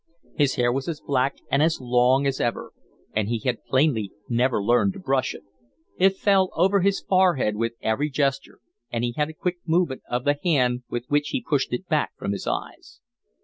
His hair was as black and as long as ever, and he had plainly never learned to brush it; it fell over his forehead with every gesture, and he had a quick movement of the hand with which he pushed it back from his eyes.